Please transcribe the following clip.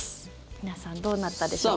皆さんどうなったでしょうか。